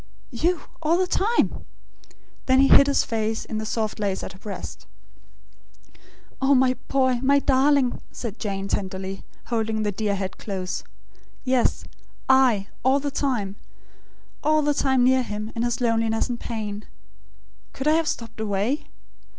You all the time?" Then he hid his face in the soft lace at her breast. "Oh, my boy, my darling!" said Jane, tenderly; holding the dear head close. "Yes; I, all the time; all the time near him, in his loss and pain. Could I have stopped away?